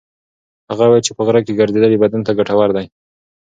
هغه وویل چې په غره کې ګرځېدل بدن ته ګټور دي.